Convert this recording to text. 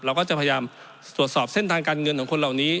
เราก็จะพยายามตรวจสอบเส้นทางการเงินของคนเหล่านี้